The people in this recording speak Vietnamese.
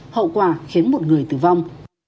hậu quả khiến một người tử vong